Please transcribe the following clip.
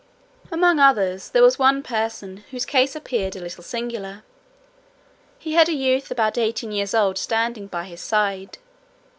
Among others, there was one person, whose case appeared a little singular. He had a youth about eighteen years old standing by his side.